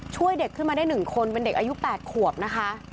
ช่วยเด็กขึ้นมาได้๑คนเป็นเด็กอายุ๘ขวบนะคะ